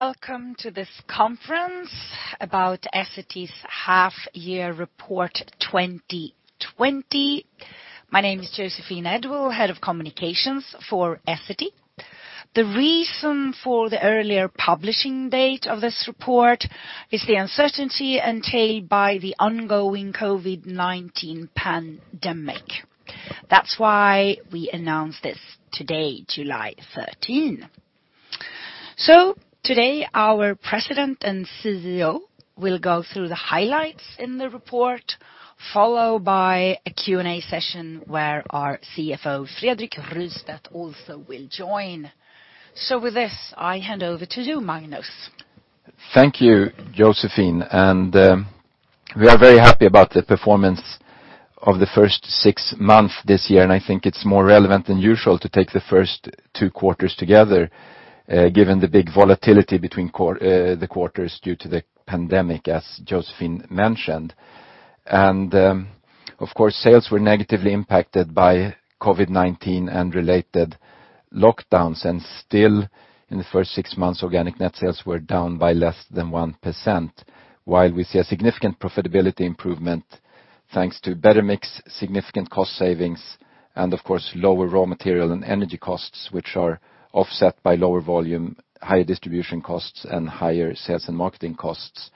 Welcome to this conference about Essity's half-year report 2020. My name is Joséphine Edwall, Head of Communications for Essity. The reason for the earlier publishing date of this report is the uncertainty entailed by the ongoing COVID-19 pandemic. That's why we announced this today, July 13. Today, our President and CEO will go through the highlights in the report, followed by a Q&A session where our CFO, Fredrik Rystedt, also will join. With this, I hand over to you, Magnus. Thank you, Joséphine. We are very happy about the performance of the first 6 months this year, and I think it's more relevant than usual to take the first two quarters together, given the big volatility between the quarters due to the pandemic, as Joséphine mentioned. Of course, sales were negatively impacted by COVID-19 and related lockdowns, and still in the first 6 months, organic net sales were down by less than 1%. While we see a significant profitability improvement thanks to better mix, significant cost savings, and of course, lower raw material and energy costs, which are offset by lower volume, higher distribution costs, and higher sales and marketing costs.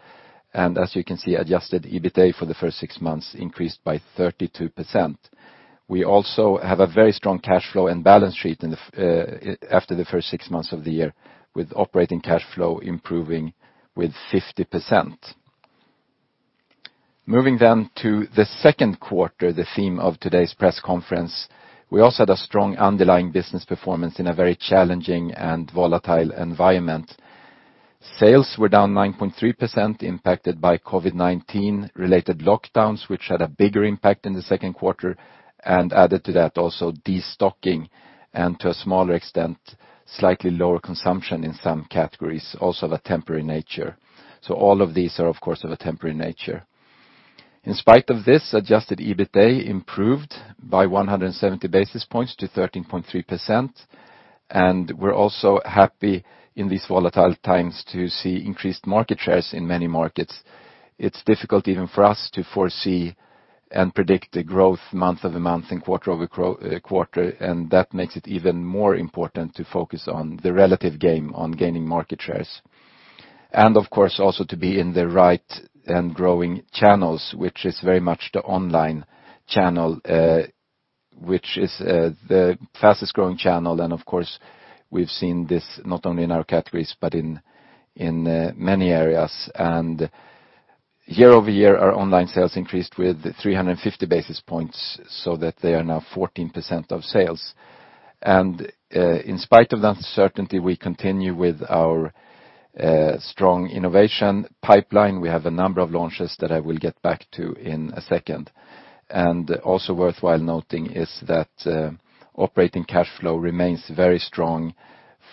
As you can see, adjusted EBITA for the first 6 months increased by 32%. We also have a very strong cash flow and balance sheet after the first six months of the year, with operating cash flow improving with 50%. Moving to the second quarter, the theme of today's press conference. We also had a strong underlying business performance in a very challenging and volatile environment. Sales were down 9.3%, impacted by COVID-19 related lockdowns, which had a bigger impact in the second quarter. Added to that, also destocking, and to a smaller extent, slightly lower consumption in some categories, also of a temporary nature. All of these are, of course, of a temporary nature. In spite of this, adjusted EBITA improved by 170 basis points to 13.3%, and we're also happy in these volatile times to see increased market shares in many markets. It is difficult even for us to foresee and predict the growth month-over-month and quarter-over-quarter, That makes it even more important to focus on the relative gain on gaining market shares. Of course, also to be in the right and growing channels, which is very much the online channel, which is the fastest-growing channel. Of course, we have seen this not only in our categories but in many areas. Year-over-year, our online sales increased with 350 basis points so that they are now 14% of sales. In spite of the uncertainty, we continue with our strong innovation pipeline. We have a number of launches that I will get back to in a second. Also worthwhile noting is that operating cash flow remains very strong,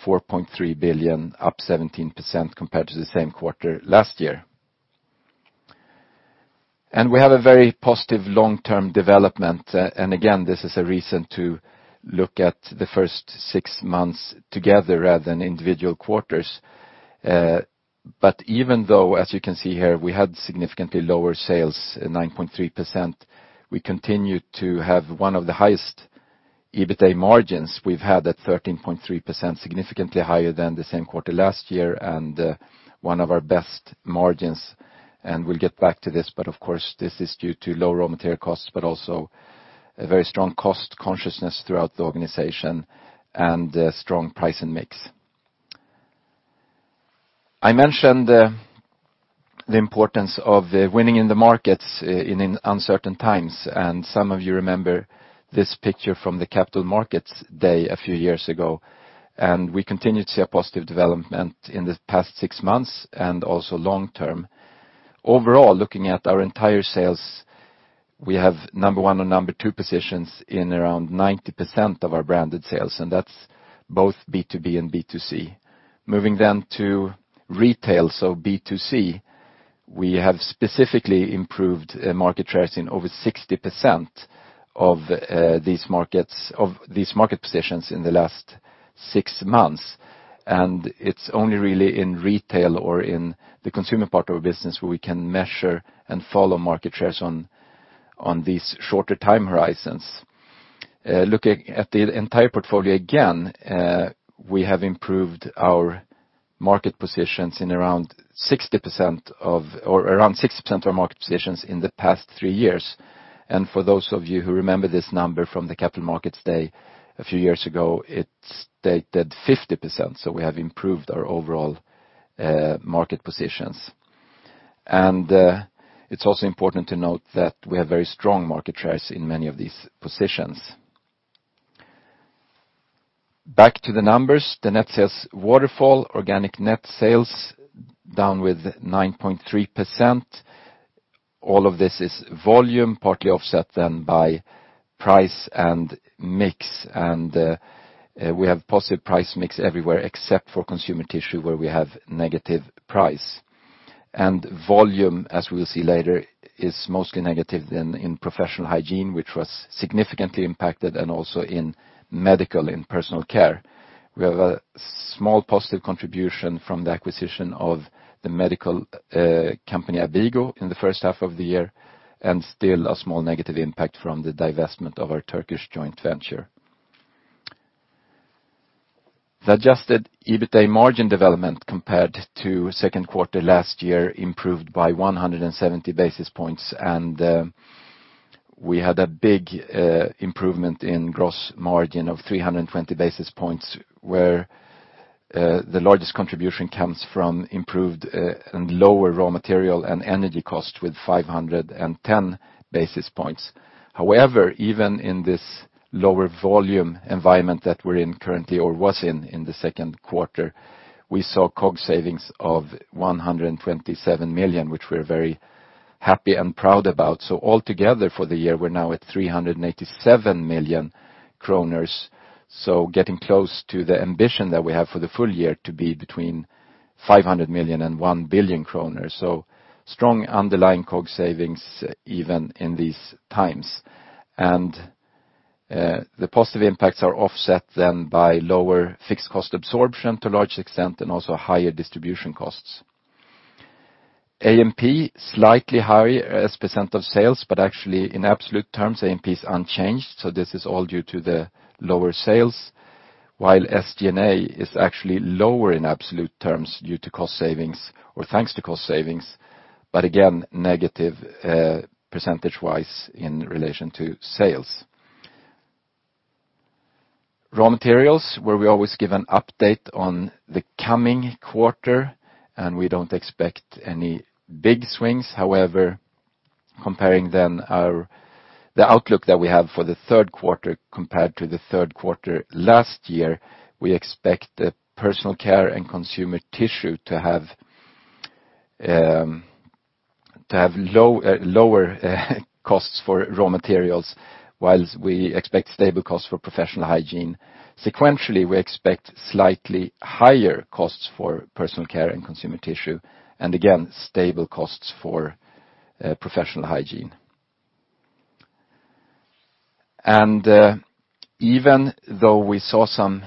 4.3 billion, up 17% compared to the same quarter last year. We have a very positive long-term development. Again, this is a reason to look at the first six months together rather than individual quarters. Even though, as you can see here, we had significantly lower sales, 9.3%, we continued to have one of the highest EBITA margins we've had at 13.3%, significantly higher than the same quarter last year, and one of our best margins. We'll get back to this, but of course, this is due to low raw material costs, but also a very strong cost consciousness throughout the organization and a strong price and mix. I mentioned the importance of winning in the markets in uncertain times, and some of you remember this picture from the Capital Markets Day a few years ago. We continued to see a positive development in the past six months and also long term. Overall, looking at our entire sales, we have number 1 and number 2 positions in around 90% of our branded sales. That's both B2B and B2C. Moving then to retail, so B2C, we have specifically improved market shares in over 60% of these market positions in the last six months. It's only really in retail or in the consumer part of our business where we can measure and follow market shares on these shorter time horizons. Looking at the entire portfolio again, we have improved our market positions in around 60% of our market positions in the past three years. For those of you who remember this number from the Capital Markets Day a few years ago, it stated 50%. We have improved our overall market positions. It's also important to note that we have very strong market shares in many of these positions. Back to the numbers. The net sales waterfall. Organic net sales down with 9.3%. All of this is volume, partly offset then by price and mix. We have positive price mix everywhere except for consumer tissue, where we have negative price. Volume, as we'll see later, is mostly negative than in Professional Hygiene, which was significantly impacted, and also in Medical and Personal Care. We have a small positive contribution from the acquisition of the medical company ABIGO in the first half of the year, and still a small negative impact from the divestment of our Turkish joint venture. The adjusted EBITA margin development compared to second quarter last year improved by 170 basis points. We had a big improvement in gross margin of 320 basis points, where the largest contribution comes from improved and lower raw material and energy cost with 510 basis points. However, even in this lower volume environment that we're in currently or was in in the second quarter, we saw COG savings of 127 million, which we're very happy and proud about. Altogether for the year, we're now at 387 million kronor. Getting close to the ambition that we have for the full year to be between 500 million and 1 billion kronor. Strong underlying COG savings even in these times. The positive impacts are offset then by lower fixed cost absorption to large extent, and also higher distribution costs. A&P, slightly higher as % of sales, but actually in absolute terms, A&P is unchanged, so this is all due to the lower sales. While SG&A is actually lower in absolute terms due to cost savings or thanks to cost savings, but again, negative, percentage-wise in relation to sales. Raw materials, where we always give an update on the coming quarter. We don't expect any big swings. However, comparing then the outlook that we have for the third quarter compared to the third quarter last year, we expect the Personal Care and Consumer Tissue to have lower costs for raw materials whilst we expect stable costs for Professional Hygiene. Sequentially, we expect slightly higher costs for Personal Care and Consumer Tissue, and again, stable costs for Professional Hygiene. Even though we saw some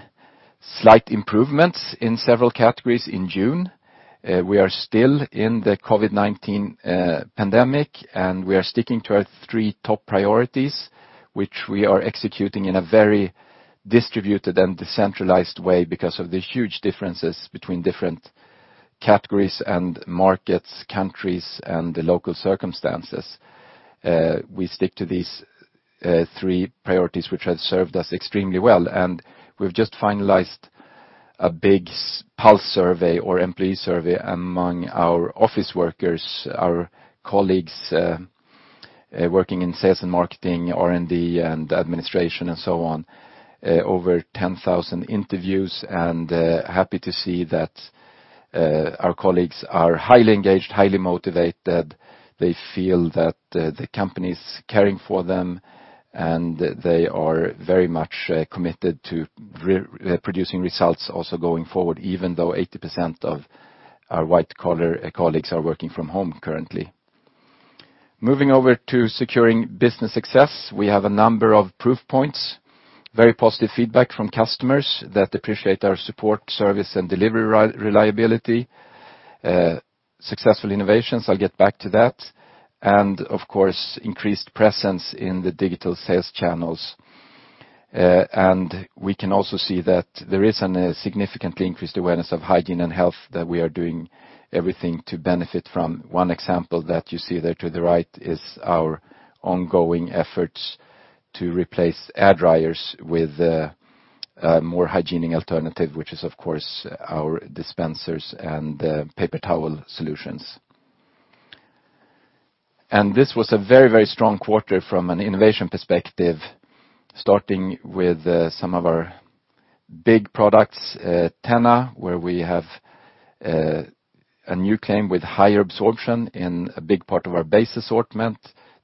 slight improvements in several categories in June, we are still in the COVID-19 pandemic, and we are sticking to our 3 top priorities, which we are executing in a very distributed and decentralized way because of the huge differences between different categories and markets, countries, and the local circumstances. We stick to these 3 priorities, which have served us extremely well. We've just finalized a big pulse survey or employee survey among our office workers, our colleagues working in sales and marketing, R&D, and administration, and so on. Over 10,000 interviews, and happy to see that our colleagues are highly engaged, highly motivated. They feel that the company's caring for them, and they are very much committed to producing results also going forward, even though 80% of our white-collar colleagues are working from home currently. Moving over to securing business success, we have a number of proof points. Very positive feedback from customers that appreciate our support, service, and delivery reliability. Successful innovations, I'll get back to that. Of course, increased presence in the digital sales channels. We can also see that there is a significantly increased awareness of hygiene and health that we are doing everything to benefit from. One example that you see there to the right is our ongoing efforts to replace air dryers with a more hygienic alternative, which is, of course, our dispensers and paper towel solutions. This was a very strong quarter from an innovation perspective, starting with some of our big products, TENA, where we have a new claim with higher absorption in a big part of our base assortment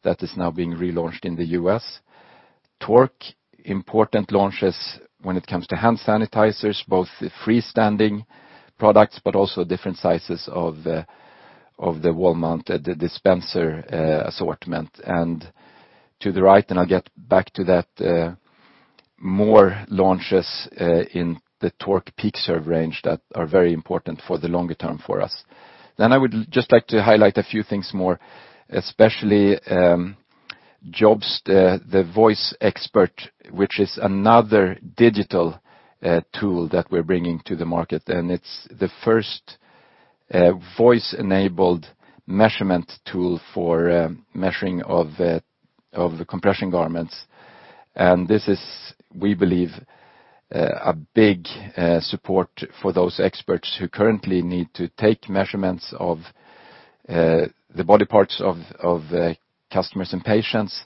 that is now being relaunched in the U.S. Tork, important launches when it comes to hand sanitizers, both the freestanding products, but also different sizes of the wall-mounted dispenser assortment. To the right, and I'll get back to that, more launches in the Tork PeakServe range that are very important for the longer term for us. I would just like to highlight a few things more, especially JOBST, the JOBST Xpert Voice, which is another digital tool that we're bringing to the market. It's the first voice-enabled measurement tool for measuring of the compression garments. This is, we believe, a big support for those experts who currently need to take measurements of the body parts of customers and patients.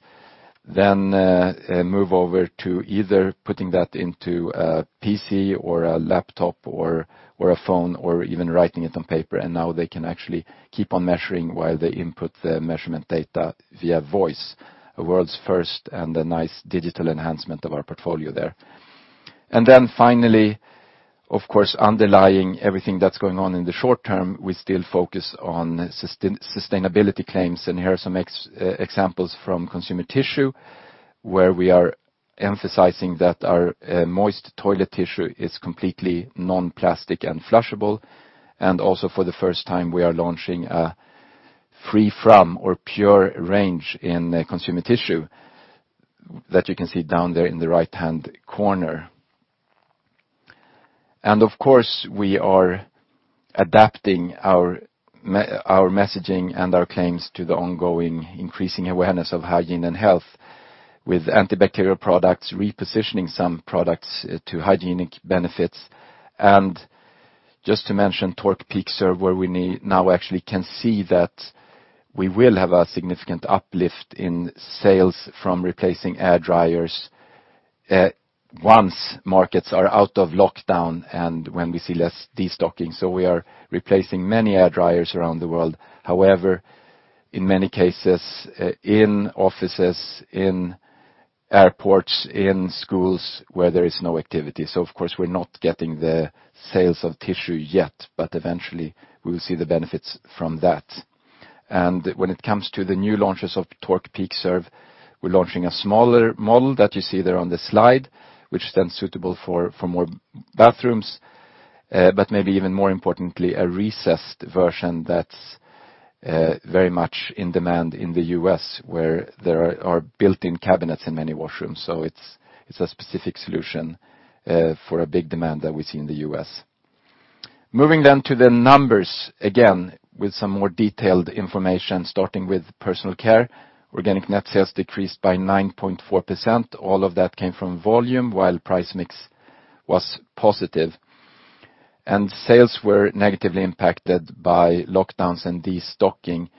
Move over to either putting that into a PC or a laptop or a phone or even writing it on paper. Now they can actually keep on measuring while they input the measurement data via voice. A world's first and a nice digital enhancement of our portfolio there. Then finally, of course, underlying everything that's going on in the short term, we still focus on sustainability claims. Here are some examples from consumer tissue, where we are emphasizing that our moist toilet tissue is completely non-plastic and flushable. Also for the first time, we are launching a free-from or pure range in consumer tissue that you can see down there in the right-hand corner. Of course, we are adapting our messaging and our claims to the ongoing increasing awareness of hygiene and health with antibacterial products, repositioning some products to hygienic benefits. Just to mention Tork PeakServe, where we now actually can see that we will have a significant uplift in sales from replacing air dryers once markets are out of lockdown and when we see less destocking. We are replacing many air dryers around the world. However, in many cases, in offices, in airports, in schools where there is no activity, of course, we're not getting the sales of tissue yet, but eventually we will see the benefits from that. When it comes to the new launches of Tork PeakServe, we're launching a smaller model that you see there on the slide, which is then suitable for more bathrooms. Maybe even more importantly, a recessed version that's very much in demand in the U.S., where there are built-in cabinets in many washrooms. It's a specific solution for a big demand that we see in the U.S. To the numbers, again, with some more detailed information, starting with personal care. Organic net sales decreased by 9.4%. All of that came from volume, while price mix was positive. Sales were negatively impacted by lockdowns and destocking.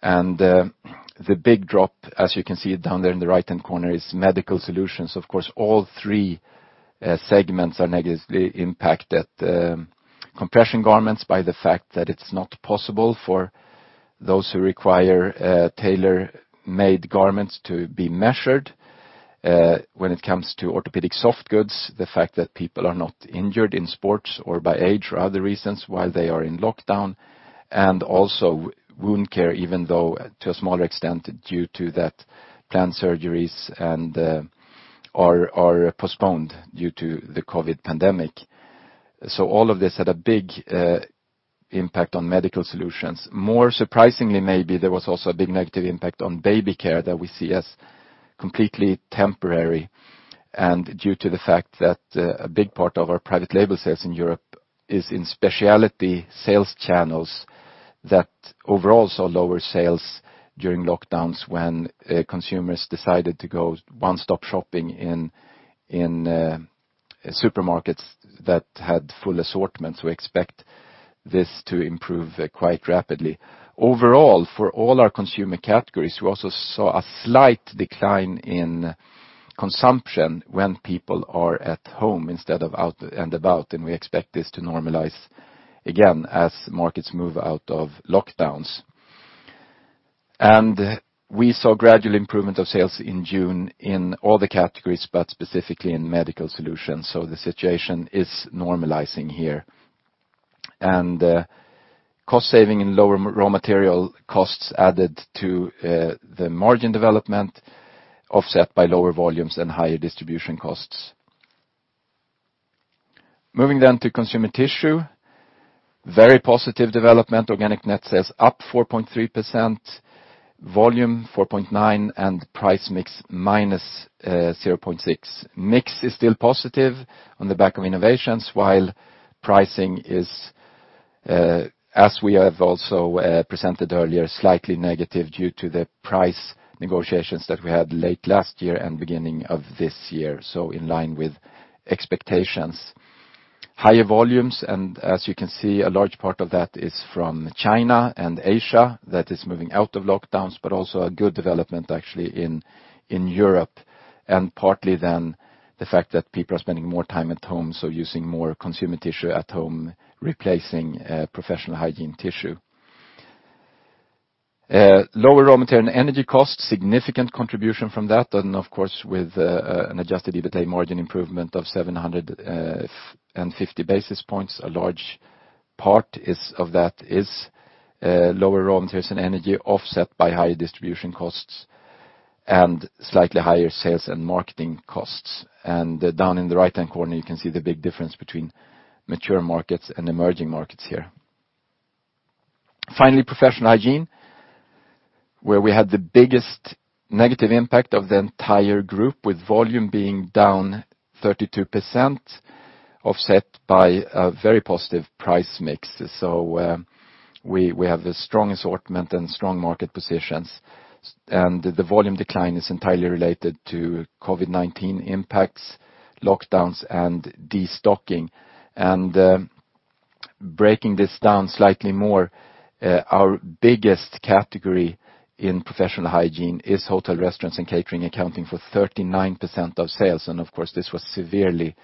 The big drop, as you can see down there in the right-hand corner, is medical solutions. Of course, all three segments are negatively impacted. Compression garments by the fact that it's not possible for those who require tailor-made garments to be measured. When it comes to orthopedic soft goods, the fact that people are not injured in sports or by age or other reasons while they are in lockdown. Also wound care, even though to a smaller extent, due to that planned surgeries are postponed due to the COVID-19 pandemic. All of this had a big impact on Medical Solutions. More surprisingly, maybe, there was also a big negative impact on Baby Care that we see as completely temporary, and due to the fact that a big part of our private label sales in Europe is in specialty sales channels that overall saw lower sales during lockdowns when consumers decided to go one-stop shopping in supermarkets that had full assortments. We expect this to improve quite rapidly. Overall, for all our consumer categories, we also saw a slight decline in consumption when people are at home instead of out and about, and we expect this to normalize again as markets move out of lockdowns. We saw gradual improvement of sales in June in all the categories, but specifically in Medical Solutions. The situation is normalizing here. Cost saving and lower raw material costs added to the margin development, offset by lower volumes and higher distribution costs. Moving then to Consumer Tissue. Very positive development. Organic net sales up 4.3%, volume 4.9%, and price mix minus 0.6%. Mix is still positive on the back of innovations, while pricing is, as we have also presented earlier, slightly negative due to the price negotiations that we had late last year and beginning of this year. In line with expectations. Higher volumes, and as you can see, a large part of that is from China and Asia, that is moving out of lockdowns, but also a good development actually in Europe, and partly then the fact that people are spending more time at home, so using more Consumer Tissue at home, replacing Professional Hygiene Tissue. Lower raw material and energy costs, significant contribution from that. Of course, with an adjusted EBITA margin improvement of 750 basis points. A large part of that is lower raw materials and energy offset by higher distribution costs and slightly higher sales and marketing costs. Down in the right-hand corner, you can see the big difference between mature markets and emerging markets here. Finally, Professional Hygiene, where we had the biggest negative impact of the entire group, with volume being down 32%, offset by a very positive price mix. We have a strong assortment and strong market positions. The volume decline is entirely related to COVID-19 impacts, lockdowns, and destocking. Breaking this down slightly more, our biggest category in Professional Hygiene is hotel, restaurants, and catering, accounting for 39% of sales, and of course, this was severely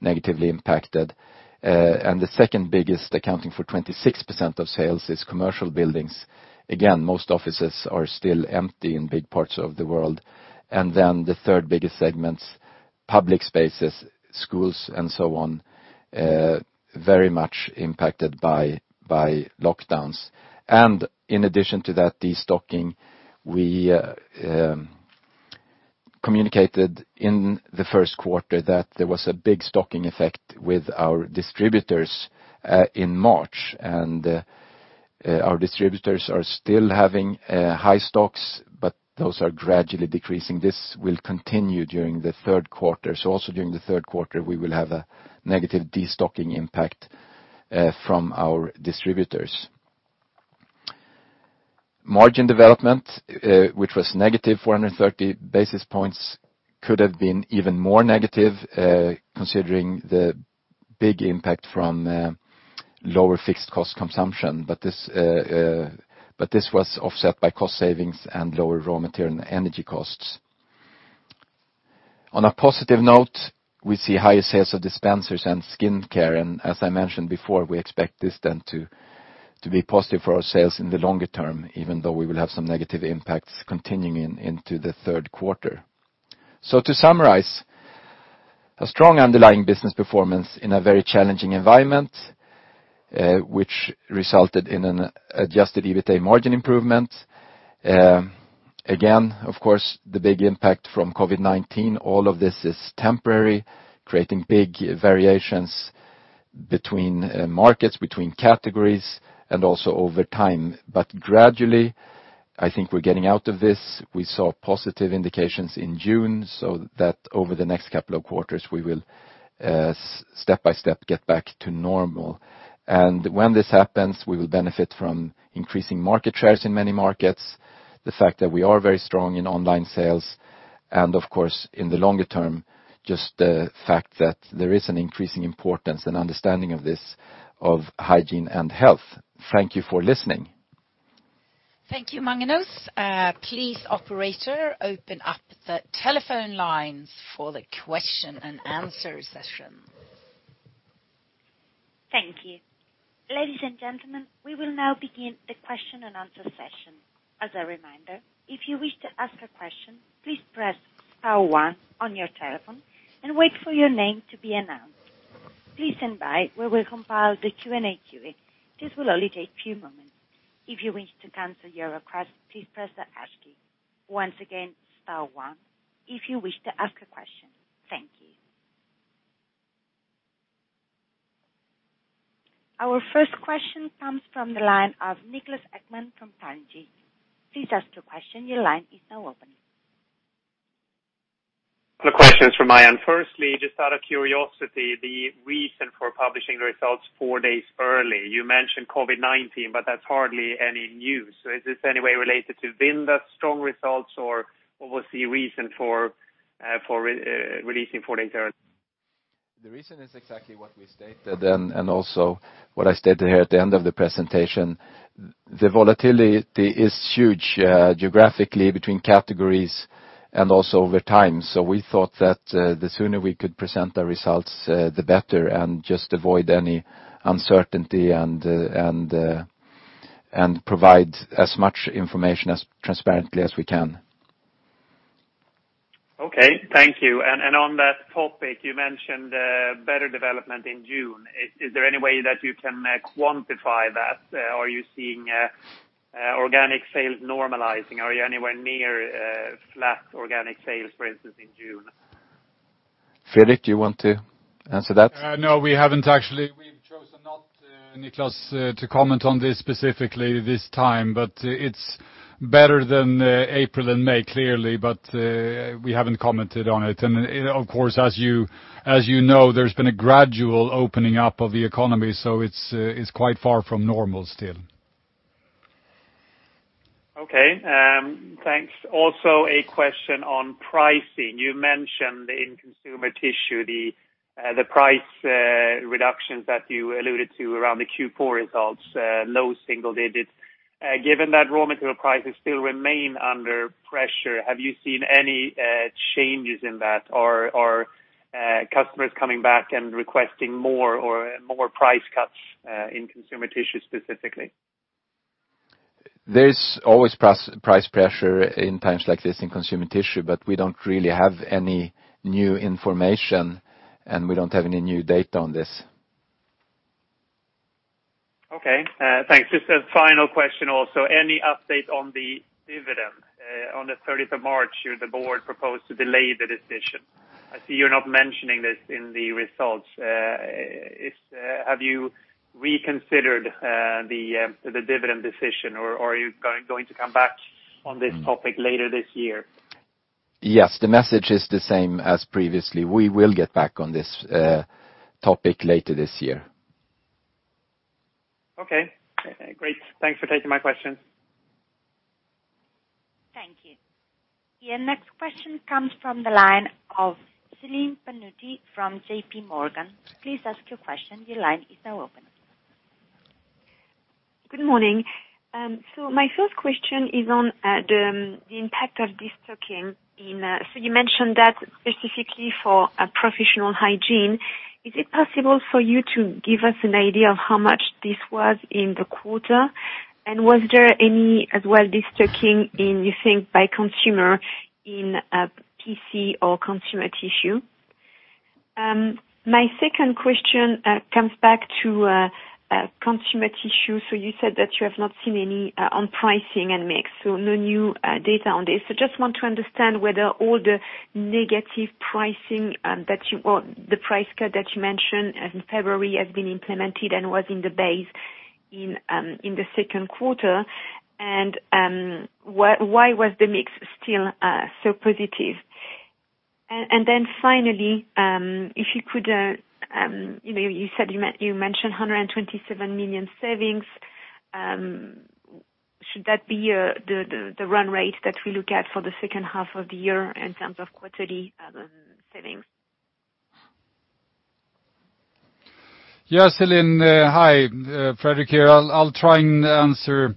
negatively impacted. The second biggest, accounting for 26% of sales, is commercial buildings. Again, most offices are still empty in big parts of the world. Then the third biggest segment, Public spaces, schools, and so on, very much impacted by lockdowns. In addition to that, destocking. We communicated in the first quarter that there was a big stocking effect with our distributors in March, and our distributors are still having high stocks, but those are gradually decreasing. This will continue during the third quarter. Also during the third quarter, we will have a negative destocking impact from our distributors. Margin development, which was negative 430 basis points, could have been even more negative considering the big impact from lower fixed cost consumption. This was offset by cost savings and lower raw material and energy costs. On a positive note, we see higher sales of dispensers and skincare. As I mentioned before, we expect this then to be positive for our sales in the longer term, even though we will have some negative impacts continuing into the third quarter. To summarize, a strong underlying business performance in a very challenging environment, which resulted in an adjusted EBITA margin improvement. Again, of course, the big impact from COVID-19, all of this is temporary, creating big variations between markets, between categories, and also over time. Gradually, I think we're getting out of this. We saw positive indications in June, so that over the next couple of quarters, we will step by step get back to normal. When this happens, we will benefit from increasing market shares in many markets. The fact that we are very strong in online sales, and of course, in the longer term, just the fact that there is an increasing importance and understanding of this, of hygiene and health. Thank you for listening. Thank you, Magnus. Please, operator, open up the telephone lines for the question and answer session. Thank you. Ladies and gentlemen, we will now begin the question and answer session. As a reminder, if you wish to ask a question, please press star one on your telephone and wait for your name to be announced. Please stand by where we compile the Q&A queue. This will only take a few moments. If you wish to cancel your request, please press the hash key. Once again, star one if you wish to ask a question. Thank you. Our first question comes from the line of Niklas Ekman from Carnegie. Please ask your question. Your line is now open. The question is from Ian. Firstly, just out of curiosity, the reason for publishing the results four days early. You mentioned COVID-19, that's hardly any news. Is this any way related to Vinda's strong results, or what was the reason for releasing four days early? The reason is exactly what we stated then and also what I stated here at the end of the presentation. The volatility is huge geographically between categories and also over time. We thought that the sooner we could present our results, the better, and just avoid any uncertainty and provide as much information as transparently as we can. Okay, thank you. On that topic, you mentioned better development in June. Is there any way that you can quantify that? Are you seeing organic sales normalizing? Are you anywhere near flat organic sales, for instance, in June? Fredrik, you want to answer that? No, we haven't actually. We've chosen not, Niklas, to comment on this specifically this time, but it's better than April and May, clearly, but we haven't commented on it. Of course, as you know, there's been a gradual opening up of the economy, so it's quite far from normal still. Okay. Thanks. A question on pricing. You mentioned in consumer tissue, the price reductions that you alluded to around the Q4 results, low single digits. Given that raw material prices still remain under pressure, have you seen any changes in that? Are customers coming back and requesting more price cuts in consumer tissue specifically? There's always price pressure in times like this in consumer tissue, but we don't really have any new information, and we don't have any new data on this. Okay, thanks. Just a final question also. Any update on the dividend? On the 30th of March, the board proposed to delay the decision. I see you're not mentioning this in the results. Have you reconsidered the dividend decision, or are you going to come back on this topic later this year? Yes, the message is the same as previously. We will get back on this topic later this year. Okay, great. Thanks for taking my questions. Thank you. Your next question comes from the line of Celine Pannuti from J.P. Morgan. Please ask your question. Your line is now open. Good morning. My first question is on the impact of destocking. You mentioned that specifically for professional hygiene. Is it possible for you to give us an idea of how much this was in the quarter? Was there any destocking by consumer in PC or consumer tissue? My second question comes back to consumer tissue. You said that you have not seen any on pricing and mix, so no new data on this. Just want to understand whether all the negative pricing, the price cut that you mentioned in February has been implemented and was in the base in the second quarter, and why was the mix still so positive? Finally, you mentioned 127 million SEK savings. Should that be the run rate that we look at for the second half of the year in terms of quarterly savings? Yes, Celine. Hi, Fredrik here. We'll try and answer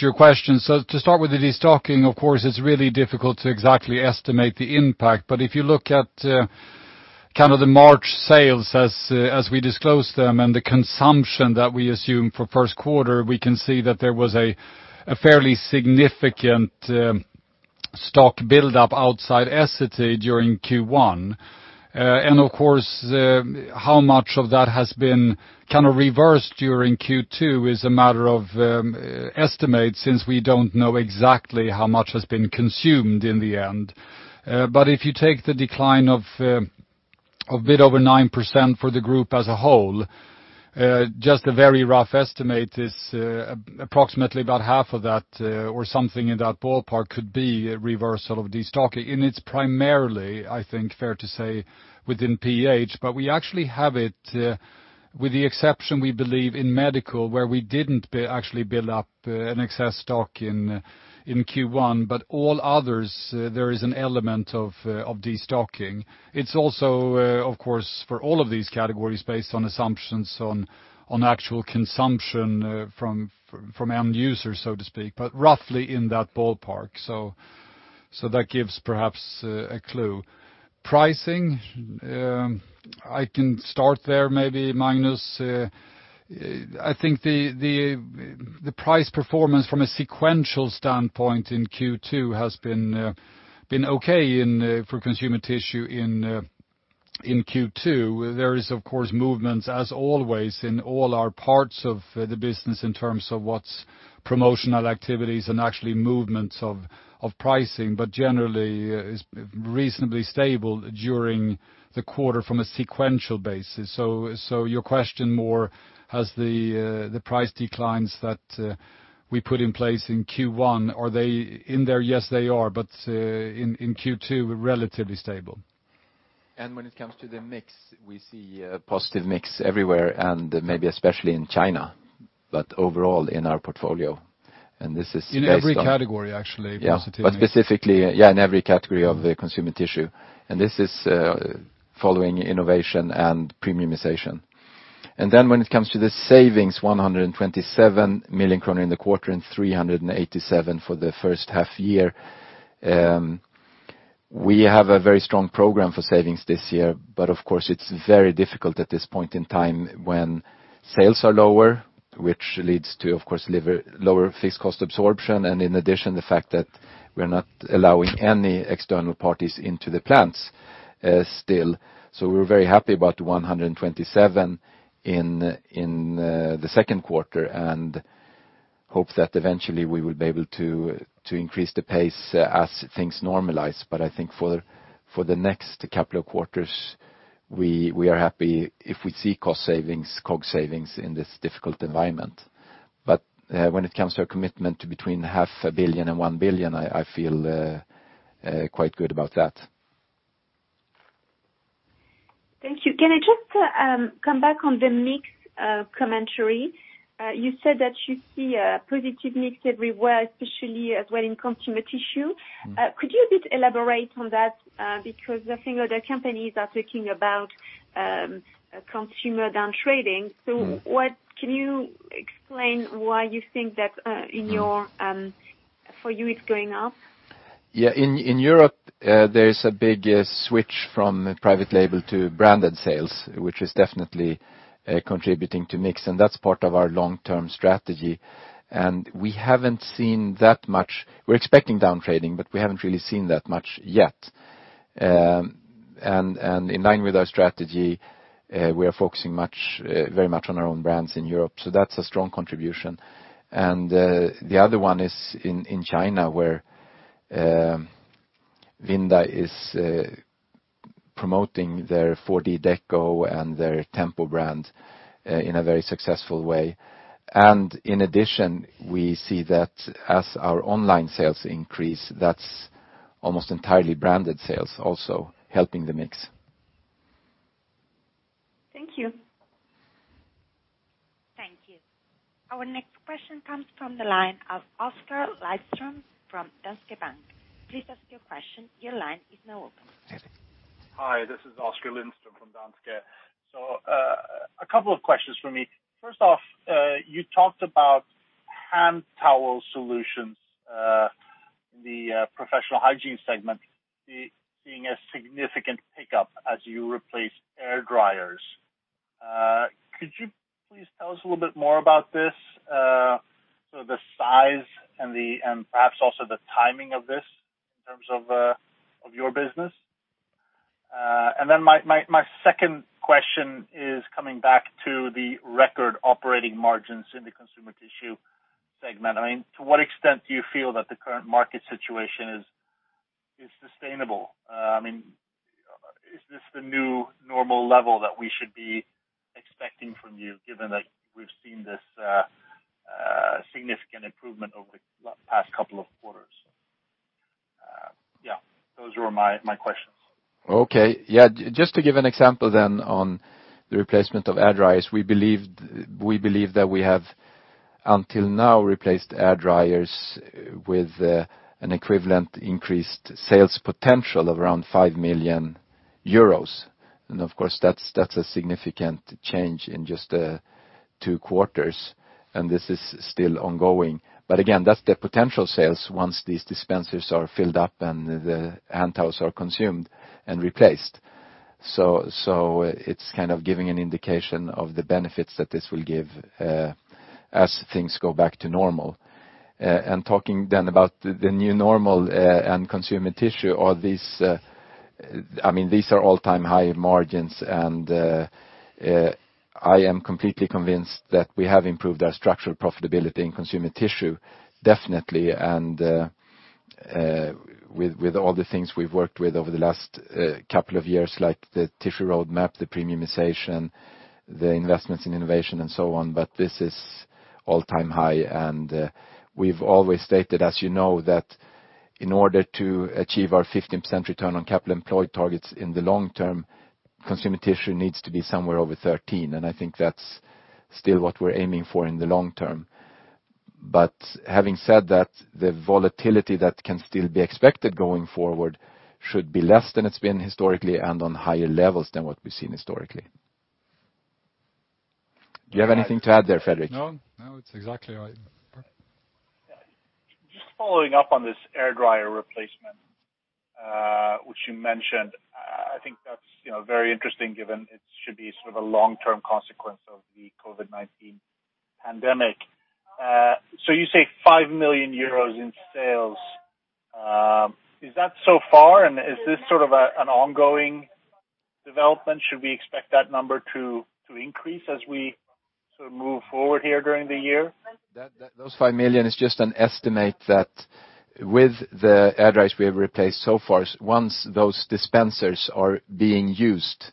your questions. To start with the destocking, of course, it's really difficult to exactly estimate the impact, but if you look at the March sales as we disclose them and the consumption that we assume for first quarter, we can see that there was a fairly significant stock buildup outside Essity during Q1. Of course, how much of that has been reversed during Q2 is a matter of estimate, since we don't know exactly how much has been consumed in the end. If you take the decline of a bit over 9% for the group as a whole, just a very rough estimate is approximately about half of that or something in that ballpark could be a reversal of destocking. It's primarily, I think, fair to say, within PH, but we actually have it, with the exception, we believe, in medical, where we didn't actually build up an excess stock in Q1. All others, there is an element of destocking. It's also, of course, for all of these categories based on assumptions on actual consumption from end users, so to speak, but roughly in that ballpark. That gives perhaps a clue. Pricing, I can start there maybe, Magnus. I think the price performance from a sequential standpoint in Q2 has been okay for consumer tissue in Q2. There is, of course, movements, as always, in all our parts of the business in terms of what's promotional activities and actually movements of pricing. Generally, it's reasonably stable during the quarter from a sequential basis. Your question more, has the price declines that we put in place in Q1, are they in there? Yes, they are. In Q2, we're relatively stable. When it comes to the mix, we see a positive mix everywhere and maybe especially in China, but overall in our portfolio. In every category, actually, positively. Specifically, in every category of the consumer tissue. This is following innovation and premiumization. When it comes to the savings, 127 million kronor in the quarter and 387 million for the first half year. We have a very strong program for savings this year, but of course, it's very difficult at this point in time when sales are lower, which leads to, of course, lower fixed cost absorption, and in addition, the fact that we're not allowing any external parties into the plants still. We're very happy about 127 million in the second quarter and hope that eventually we will be able to increase the pace as things normalize. I think for the next couple of quarters, we are happy if we see cost savings, COG savings in this difficult environment. When it comes to a commitment to between SEK half a billion and 1 billion, I feel quite good about that. Thank you. Can I just come back on the mix commentary? You said that you see a positive mix everywhere, especially as well in consumer tissue. Could you a bit elaborate on that? I think other companies are talking about consumer downtrading. Can you explain why you think that for you it's going up? In Europe, there is a big switch from private label to branded sales, which is definitely contributing to mix. That's part of our long-term strategy. We're expecting downtrading, but we haven't really seen that much yet. In line with our strategy, we are focusing very much on our own brands in Europe. That's a strong contribution. The other one is in China, where Vinda is promoting their 4D Deco and their Tempo brand in a very successful way. In addition, we see that as our online sales increase, that's almost entirely branded sales also helping the mix. Thank you. Thank you. Our next question comes from the line of Oskar Lindström from Danske Bank. Please ask your question. Your line is now open. Hi, this is Oskar Lindström from Danske Bank. A couple of questions from me. First off, you talked about hand towel solutions in the Professional Hygiene segment, seeing a significant pickup as you replace air dryers. Could you please tell us a little bit more about this? The size and perhaps also the timing of this in terms of your business. Then my second question is coming back to the record operating margins in the Consumer Tissue segment. To what extent do you feel that the current market situation is sustainable? Is this the new normal level that we should be expecting from you, given that we've seen this significant improvement over the past couple of quarters? Those were my questions. Okay. Yeah, just to give an example then on the replacement of air dryers. We believe that we have, until now, replaced air dryers with an equivalent increased sales potential of around 5 million euros. Of course, that's a significant change in just two quarters, and this is still ongoing. Again, that's the potential sales once these dispensers are filled up and the hand towels are consumed and replaced. It's giving an indication of the benefits that this will give as things go back to normal. Talking then about the new normal and consumer tissue, these are all-time high margins, and I am completely convinced that we have improved our structural profitability in consumer tissue, definitely. With all the things we've worked with over the last couple of years, like the Tissue Roadmap, the premiumization, the investments in innovation, and so on. This is all-time high, and we've always stated, as you know, that in order to achieve our 15% return on capital employed targets in the long term, consumer tissue needs to be somewhere over 13%. I think that's still what we're aiming for in the long term. Having said that, the volatility that can still be expected going forward should be less than it's been historically and on higher levels than what we've seen historically. Do you have anything to add there, Fredrik? No, it's exactly right. Just following up on this air dryer replacement, which you mentioned. I think that's very interesting given it should be a long-term consequence of the COVID-19 pandemic. You say 5 million euros in sales. Is that so far, and is this an ongoing development? Should we expect that number to increase as we move forward here during the year? Those 5 million is just an estimate that with the air dryers we have replaced so far, once those dispensers are being used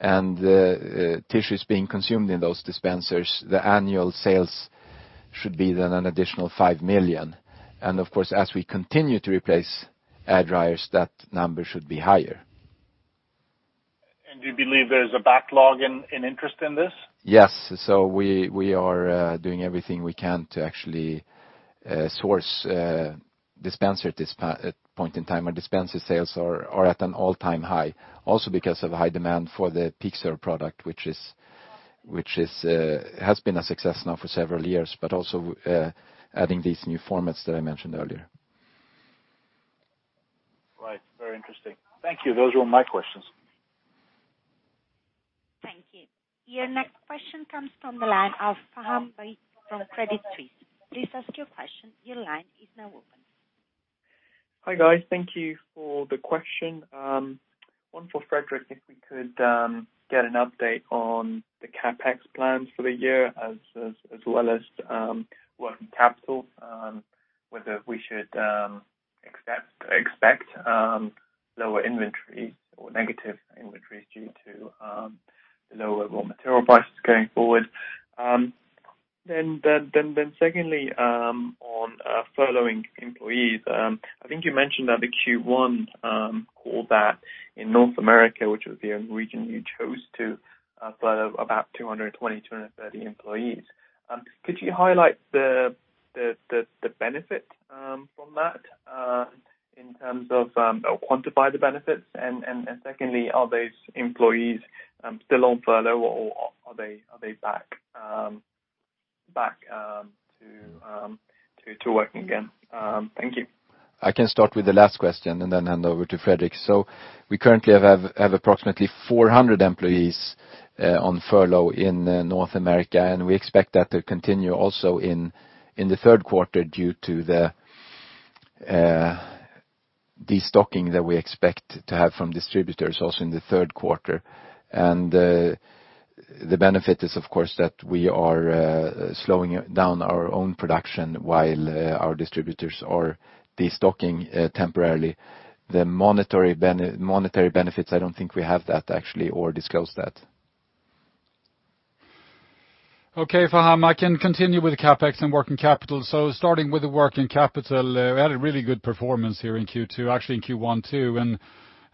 and the tissue is being consumed in those dispensers, the annual sales should be then an additional 5 million. Of course, as we continue to replace air dryers, that number should be higher. Do you believe there's a backlog in interest in this? Yes. We are doing everything we can to actually source dispenser at this point in time, our dispenser sales are at an all-time high. Also because of high demand for the PeakServe product, which has been a success now for several years, but also adding these new formats that I mentioned earlier. Right. Very interesting. Thank you. Those were my questions. Thank you. Your next question comes from the line of Faham Baig from Credit Suisse. Please ask your question. Your line is now open. Hi, guys. Thank you for the question. One for Fredrik, if we could get an update on the CapEx plans for the year as well as working capital, whether we should expect lower inventory or negative inventories due to the lower raw material prices going forward. Secondly, on furloughing employees. I think you mentioned at the Q1 call that in North America, which was the only region you chose to furlough about 220, 230 employees. Could you highlight the benefit from that or quantify the benefits, and secondly, are those employees still on furlough or are they back to working again? Thank you. I can start with the last question and then hand over to Fredrik. We currently have approximately 400 employees on furlough in North America, and we expect that to continue also in the third quarter due to the de-stocking that we expect to have from distributors also in the third quarter. The benefit is, of course, that we are slowing down our own production while our distributors are de-stocking temporarily. The monetary benefits, I don't think we have that actually or disclose that. Faham, I can continue with CapEx and working capital. Starting with the working capital, we had a really good performance here in Q2, actually in Q1 too.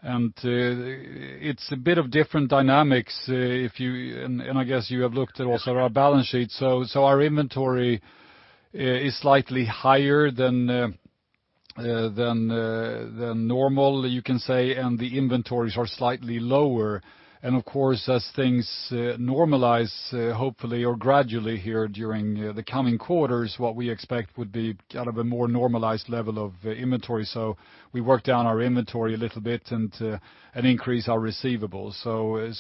It's a bit of different dynamics, and I guess you have looked at also our balance sheet. Our inventory is slightly higher than normal, you can say, and the inventories are slightly lower. Of course, as things normalize, hopefully, or gradually here during the coming quarters, what we expect would be out of a more normalized level of inventory. We work down our inventory a little bit and increase our receivables.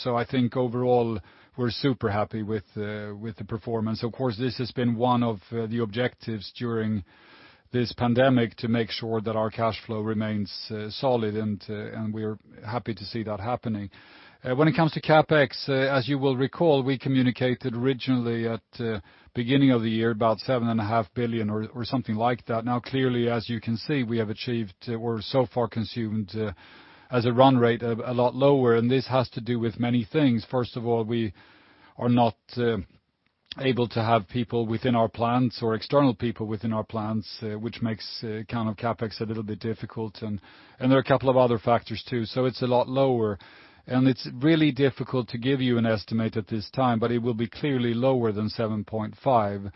I think overall, we're super happy with the performance. Of course, this has been one of the objectives during this pandemic to make sure that our cash flow remains solid. We're happy to see that happening. When it comes to CapEx, as you will recall, we communicated originally at beginning of the year about seven and a half billion SEK or something like that. Clearly, as you can see, we have achieved or so far consumed as a run rate, a lot lower, and this has to do with many things. First of all, we are not able to have people within our plants or external people within our plants, which makes CapEx a little bit difficult, and there are a couple of other factors too. It's a lot lower, and it's really difficult to give you an estimate at this time, but it will be clearly lower than 7.5.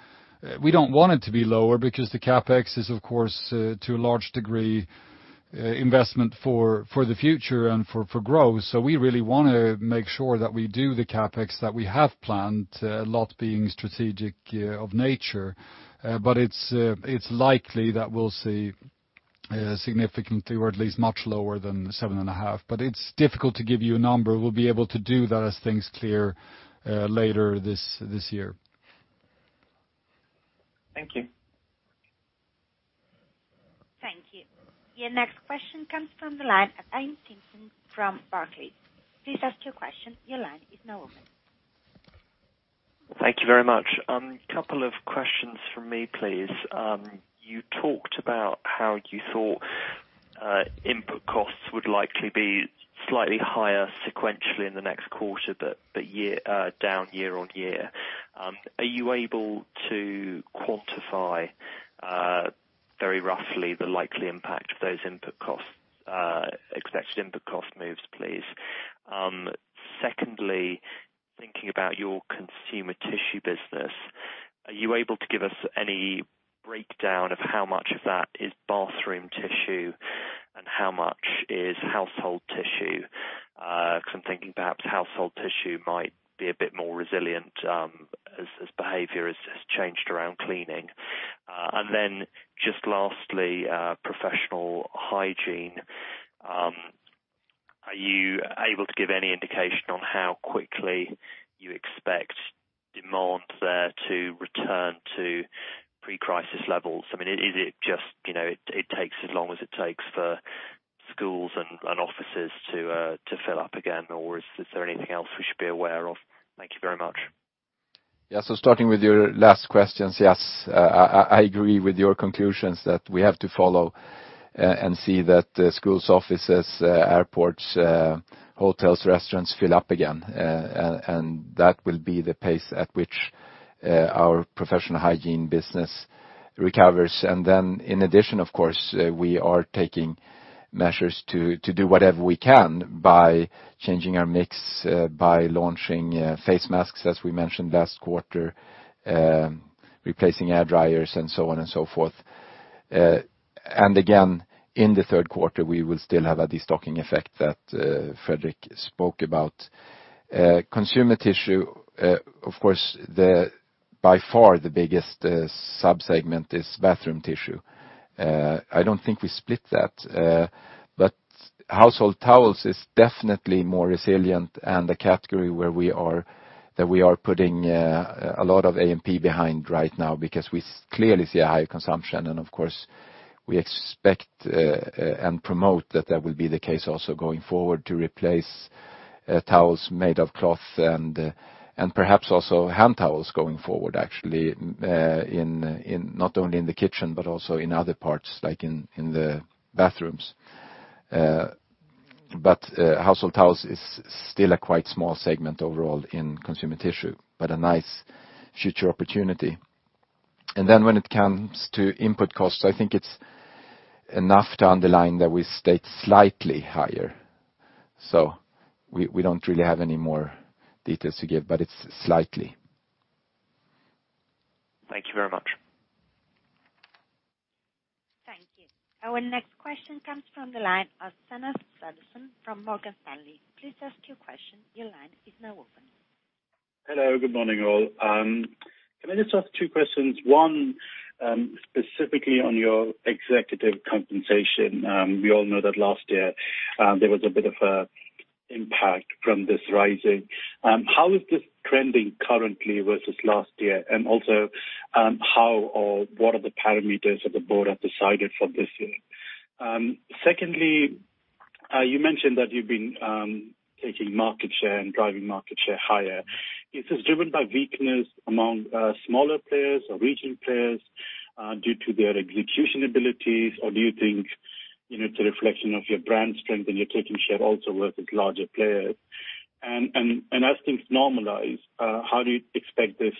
We don't want it to be lower because the CapEx is, of course, to a large degree, investment for the future and for growth. We really want to make sure that we do the CapEx that we have planned, a lot being strategic of nature. It's likely that we'll see significantly or at least much lower than seven and a half. It's difficult to give you a number. We'll be able to do that as things clear later this year. Thank you. Thank you. Your next question comes from the line of Iain Simpson from Barclays. Please ask your question. Your line is now open. Thank you very much. Couple of questions from me, please. You talked about how you thought input costs would likely be slightly higher sequentially in the next quarter, but down year-over-year. Are you able to quantify, very roughly the likely impact of those expected input cost moves, please? Thinking about your consumer tissue business, are you able to give us any breakdown of how much of that is bathroom tissue and how much is household tissue? I'm thinking perhaps household tissue might be a bit more resilient as behavior has changed around cleaning. Just lastly, professional hygiene. Are you able to give any indication on how quickly you expect demand there to return to pre-crisis levels? Is it just, it takes as long as it takes for schools and offices to fill up again, or is there anything else we should be aware of? Thank you very much. Starting with your last questions, yes. I agree with your conclusions that we have to follow, and see that schools, offices, airports, hotels, restaurants fill up again. That will be the pace at which our professional hygiene business recovers. Then in addition, of course, we are taking measures to do whatever we can by changing our mix, by launching face masks, as we mentioned last quarter, replacing air dryers, and so on and so forth. Again, in the 3rd quarter, we will still have a destocking effect that Fredrik spoke about. Consumer tissue, of course, by far the biggest sub-segment is bathroom tissue. I don't think we split that. Household towels is definitely more resilient, and the category that we are putting a lot of AMP behind right now because we clearly see a higher consumption. Of course, we expect, and promote that that will be the case also going forward to replace towels made of cloth and perhaps also hand towels going forward actually, not only in the kitchen, but also in other parts, like in the bathrooms. Household towels is still a quite small segment overall in consumer tissue, but a nice future opportunity. When it comes to input costs, I think it's enough to underline that we stayed slightly higher. We don't really have any more details to give. Thank you very much. Thank you. Our next question comes from the line of Sanath Sureshan from Morgan Stanley. Please ask your question. Your line is now open. Hello, good morning, all. Can I just ask two questions, one, specifically on your executive compensation. We all know that last year, there was a bit of a impact from this rising. How is this trending currently versus last year? How or what are the parameters that the board have decided for this year? Secondly, you mentioned that you've been taking market share and driving market share higher. Is this driven by weakness among smaller players or region players due to their execution abilities? Do you think it's a reflection of your brand strength and you're taking share also versus larger players? As things normalize, how do you expect these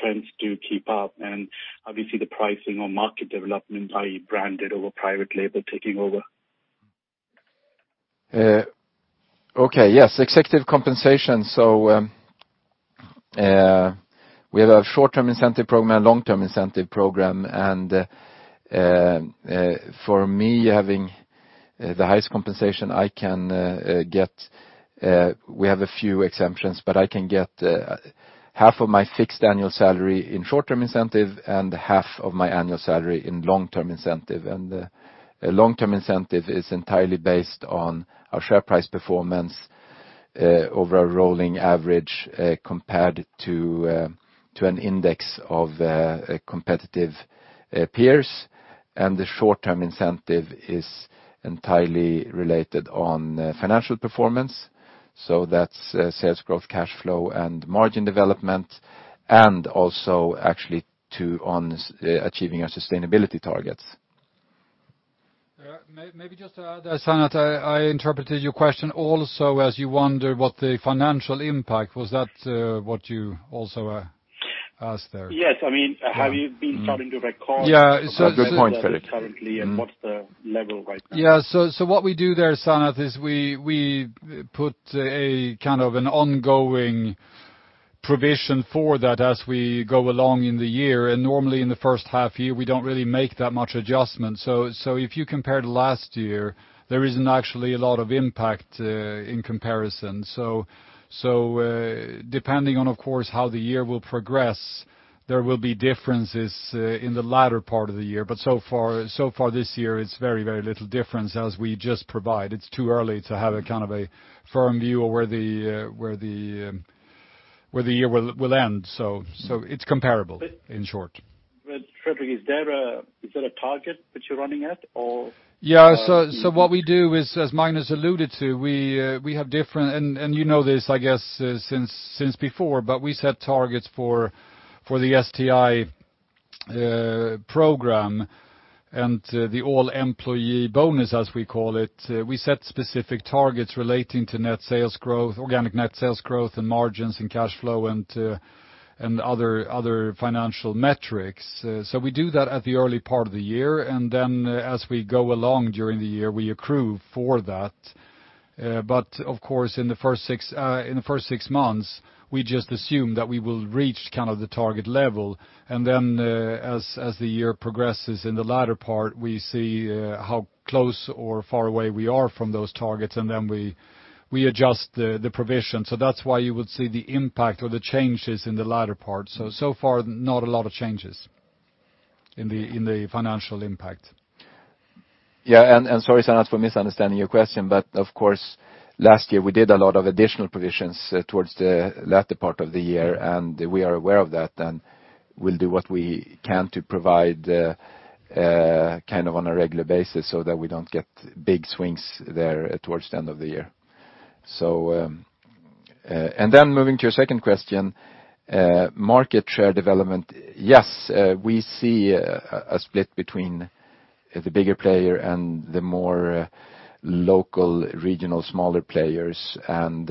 trends to keep up? How do you see the pricing or market development, are you branded over private label taking over? Okay. Yes, executive compensation. We have a Short-Term Incentive Program and Long-Term Incentive Program, and for me having the highest compensation I can get, we have a few exemptions, but I can get half of my fixed annual salary in Short-Term Incentive and half of my annual salary in Long-Term Incentive. The Long-Term Incentive is entirely based on our share price performance over a rolling average compared to an index of competitive peers. The Short-Term Incentive is entirely related on financial performance. That's sales growth, cash flow, and margin development, and also actually too on achieving our sustainability targets. Maybe just to add, Sanath, I interpreted your question also as you wonder what the financial impact. Was that what you also asked there? Yes. I mean, have you been starting to? Yeah. Good point, Fredrik. currently, what's the level right now? Yeah. What we do there, Sanath, is we put a kind of an ongoing provision for that as we go along in the year, and normally in the first half year we don't really make that much adjustment. If you compare to last year, there isn't actually a lot of impact in comparison. Depending on, of course, how the year will progress, there will be differences in the latter part of the year, but so far this year it's very little difference as we just provide. It's too early to have a firm view of where the year will end, so it's comparable, in short. Fredrik, is there a target that you're running at? What we do is, as Magnus alluded to, and you know this, I guess since before, but we set targets for the STI program and the all-employee bonus, as we call it. We set specific targets relating to net sales growth, organic net sales growth, and margins in cash flow and other financial metrics. We do that at the early part of the year, and then as we go along during the year, we accrue for that. Of course, in the first six months, we just assume that we will reach the target level, and then as the year progresses in the latter part, we see how close or far away we are from those targets, and then we adjust the provision. That's why you would see the impact or the changes in the latter part. Far not a lot of changes in the financial impact. Sorry Sanath for misunderstanding your question, but of course, last year we did a lot of additional provisions towards the latter part of the year, and we are aware of that, and we'll do what we can to provide on a regular basis so that we don't get big swings there towards the end of the year. Moving to your second question, market share development. Yes, we see a split between the bigger player and the more local, regional, smaller players, and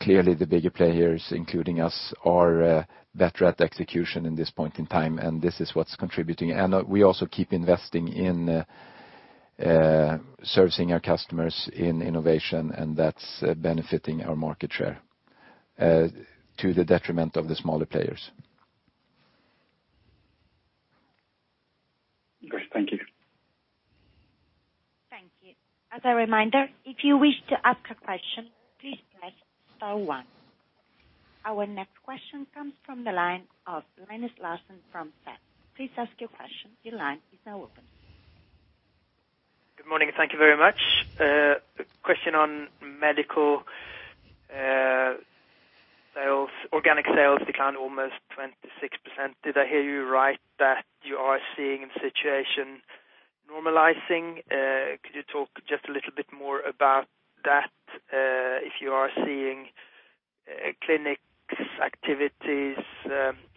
clearly the bigger players, including us, are better at execution in this point in time, and this is what's contributing. We also keep investing in servicing our customers in innovation, and that's benefiting our market share to the detriment of the smaller players. Great. Thank you. Thank you. As a reminder, if you wish to ask a question, please press star one. Our next question comes from the line of Linus Larsson from SEB. Please ask your question. Your line is now open. Good morning. Thank you very much. Question on medical sales. Organic sales declined almost 26%. Did I hear you right that you are seeing the situation normalizing? Could you talk just a little bit more about that? If you are seeing clinics, activities,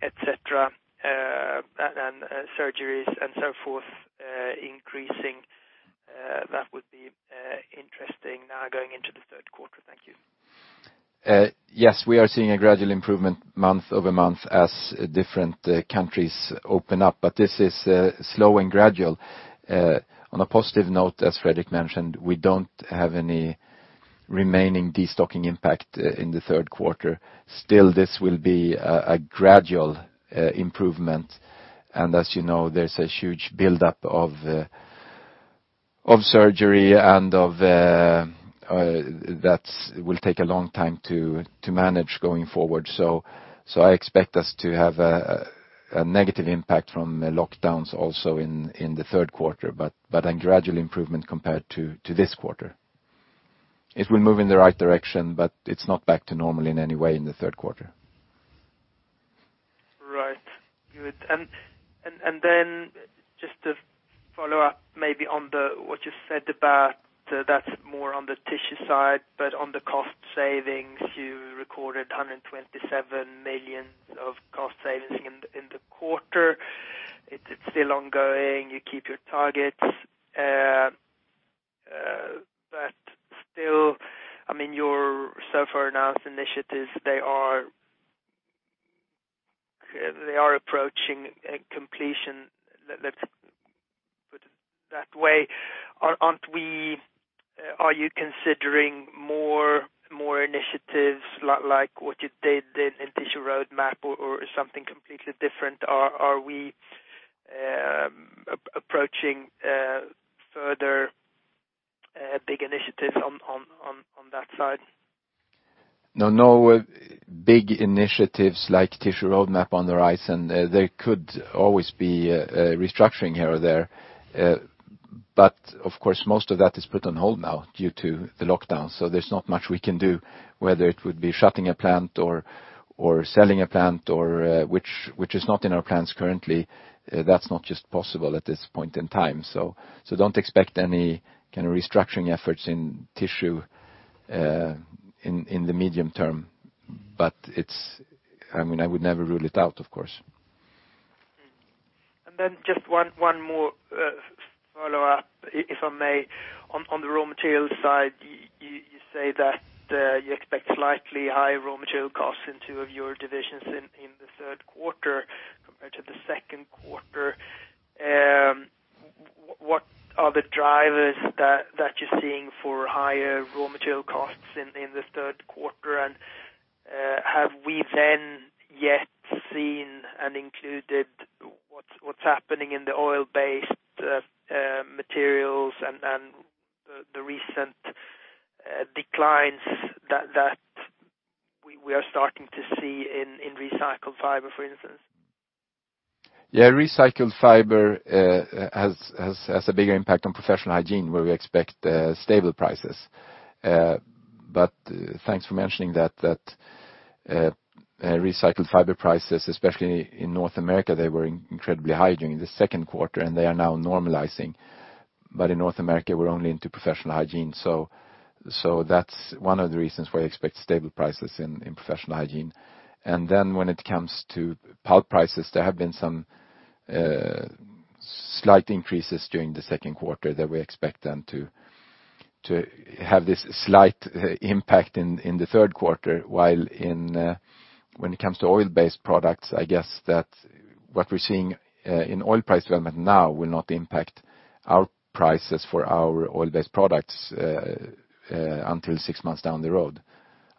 et cetera, and surgeries and so forth increasing, that would be interesting now going into the third quarter. Thank you. Yes, we are seeing a gradual improvement month-over-month as different countries open up. This is slow and gradual. On a positive note, as Fredrik mentioned, we don't have any remaining destocking impact in the third quarter. This will be a gradual improvement. As you know, there's a huge buildup of surgery. That will take a long time to manage going forward. I expect us to have a negative impact from the lockdowns also in the third quarter. A gradual improvement compared to this quarter. It will move in the right direction. It's not back to normal in any way in the third quarter. Right. Good. Just to follow up maybe on what you said about that more on the Tissue side, but on the cost savings, you recorded 127 million of cost savings in the quarter. It's still ongoing. You keep your targets. Still, I mean, your so-far-announced initiatives, they are approaching completion. Let's put it that way. Are you considering more initiatives like what you did in Tissue Roadmap or something completely different? Are we approaching further big initiatives on that side? No big initiatives like Tissue Roadmap on the horizon. There could always be restructuring here or there. Of course, most of that is put on hold now due to the lockdown. There's not much we can do. Whether it would be shutting a plant or selling a plant, which is not in our plans currently, that's not just possible at this point in time. Don't expect any kind of restructuring efforts in Tissue in the medium term. I would never rule it out, of course. Then just one more follow-up, if I may. On the raw materials side, you say that you expect slightly higher raw material costs in two of your divisions in the third quarter compared to the second quarter. What are the drivers that you're seeing for higher raw material costs in the third quarter? Have we then yet seen and included what's happening in the oil-based materials and the recent declines that we are starting to see in recycled fiber, for instance? Yeah, recycled fiber has a bigger impact on Professional Hygiene, where we expect stable prices. Thanks for mentioning that recycled fiber prices, especially in North America, they were incredibly high during the second quarter, and they are now normalizing. In North America, we're only into Professional Hygiene. That's one of the reasons why we expect stable prices in Professional Hygiene. When it comes to pulp prices, there have been some slight increases during the second quarter that we expect them to have this slight impact in the third quarter. While when it comes to oil-based products, I guess that what we're seeing in oil price development now will not impact our prices for our oil-based products until six months down the road.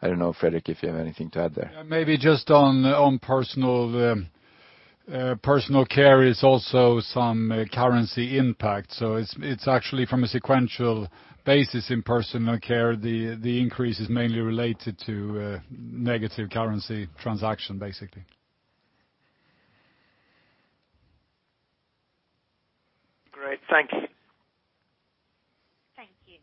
I don't know, Fredrik, if you have anything to add there. Maybe just on Personal Care, is also some currency impact. It's actually from a sequential basis in Personal Care, the increase is mainly related to negative currency transaction, basically. Great. Thank you. Thank you.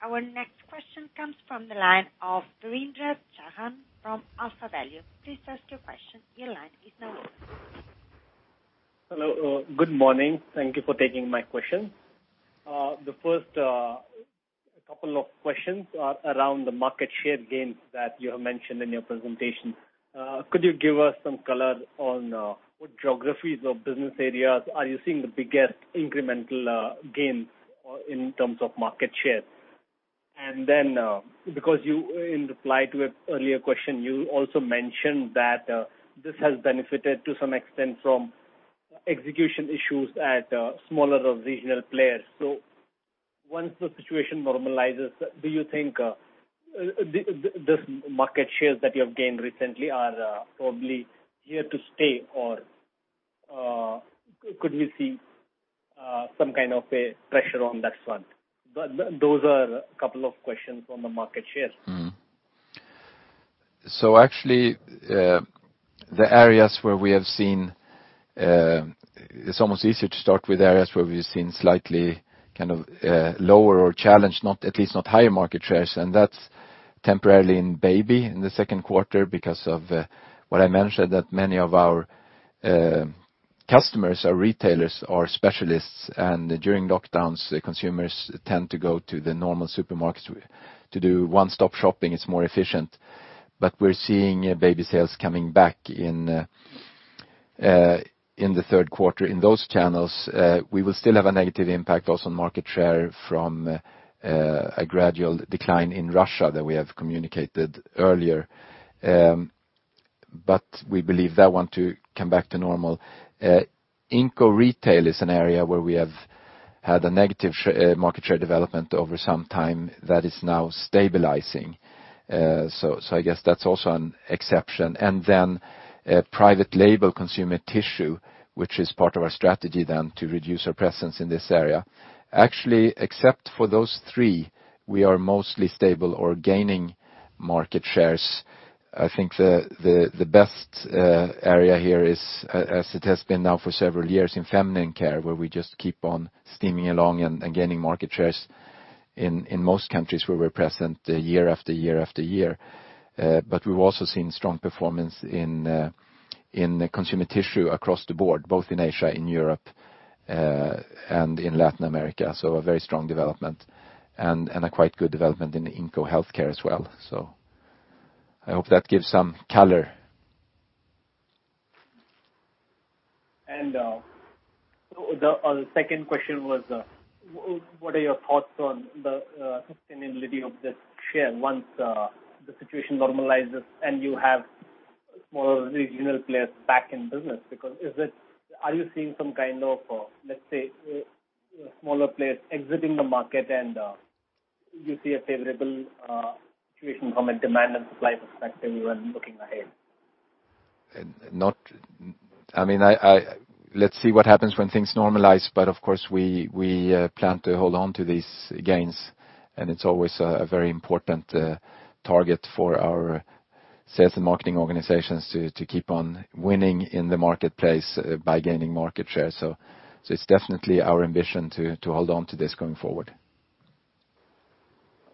Our next question comes from the line of Devendra Chauhan from AlphaValue. Please ask your question. Your line is now open. Hello, good morning. Thank you for taking my question. The first couple of questions are around the market share gains that you have mentioned in your presentation. Could you give us some color on what geographies or business areas are you seeing the biggest incremental gains in terms of market share? Because in reply to an earlier question, you also mentioned that this has benefited to some extent from execution issues at smaller regional players. Once the situation normalizes, do you think this market shares that you have gained recently are probably here to stay, or could we see some kind of a pressure on that front? Those are a couple of questions on the market shares. Actually, it's almost easier to start with areas where we've seen slightly lower or challenged, at least not higher market shares, and that's temporarily in Baby in the second quarter because of what I mentioned, that many of our customers are retailers, are specialists, and during lockdowns, consumers tend to go to the normal supermarkets to do one-stop shopping. It's more efficient. We're seeing Baby sales coming back in the third quarter in those channels. We will still have a negative impact also on market share from a gradual decline in Russia that we have communicated earlier. We believe that one to come back to normal. In-home retail is an area where we have had a negative market share development over some time that is now stabilizing. I guess that's also an exception. Private Label consumer tissue, which is part of our strategy then to reduce our presence in this area. Actually, except for those three, we are mostly stable or gaining market shares. I think the best area here is, as it has been now for several years in Feminine Care, where we just keep on steaming along and gaining market shares in most countries where we're present year after year after year. We've also seen strong performance in consumer tissue across the board, both in Asia, in Europe, and in Latin America. A very strong development and a quite good development in In-Home Healthcare as well. I hope that gives some color. The second question was, what are your thoughts on the sustainability of this share once the situation normalizes and you have more regional players back in business? Are you seeing some kind of, let's say, smaller players exiting the market, and you see a favorable situation from a demand and supply perspective when looking ahead? Let's see what happens when things normalize. Of course, we plan to hold on to these gains, and it's always a very important target for our sales and marketing organizations to keep on winning in the marketplace by gaining market share. It's definitely our ambition to hold on to this going forward.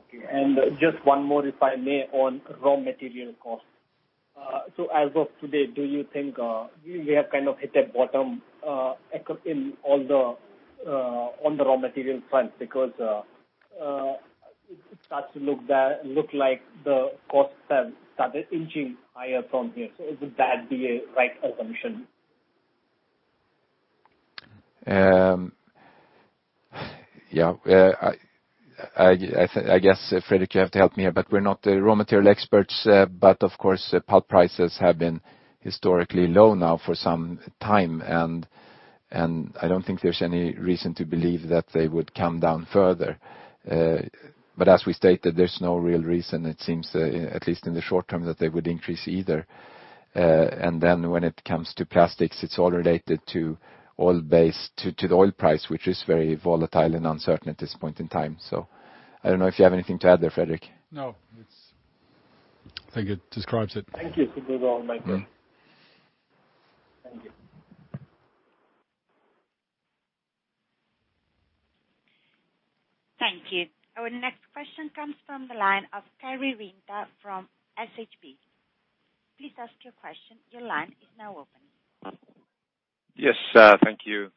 Okay. Just one more, if I may, on raw material costs. As of today, do you think we have kind of hit a bottom on the raw material front? Because it starts to look like the costs have started inching higher from here. Would that be a right assumption? Yeah. I guess, Fredrik, you have to help me here, but we're not the raw material experts. Of course, pulp prices have been historically low now for some time, and I don't think there's any reason to believe that they would come down further. As we stated, there's no real reason, it seems, at least in the short term, that they would increase either. When it comes to plastics, it's all related to the oil price, which is very volatile and uncertain at this point in time. I don't know if you have anything to add there, Fredrik. No, I think it describes it. Thank you. Those are all my questions. Yeah. Thank you. Thank you. Our next question comes from the line of Tomi Rinta from SHP. Please ask your question. Your line is now open. Yes, thank you.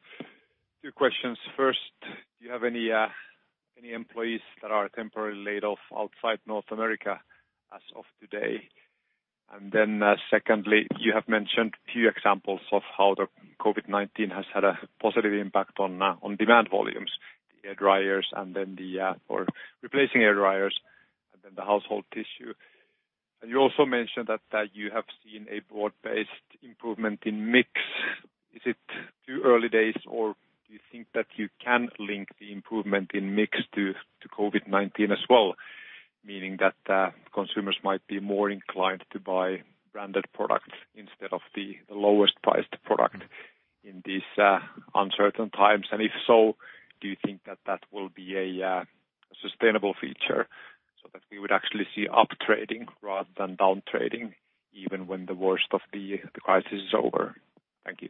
Two questions. First, do you have any employees that are temporarily laid off outside North America as of today? Secondly, you have mentioned a few examples of how the COVID-19 has had a positive impact on demand volumes, the air dryers or replacing air dryers, and then the household tissue. You also mentioned that you have seen a broad-based improvement in mix. Is it too early days, or do you think that you can link the improvement in mix to COVID-19 as well? Meaning that consumers might be more inclined to buy branded products instead of the lowest-priced product in these uncertain times. If so, do you think that that will be a sustainable feature so that we would actually see up trading rather than down trading even when the worst of the crisis is over? Thank you.